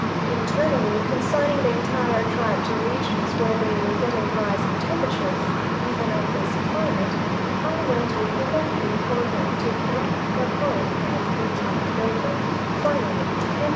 Internally consigning the entire tribe to regions where they will get a rise in temperature, even on this climate, I went with Mme. Forget to M. Gacon, and we talked it over; finally, M.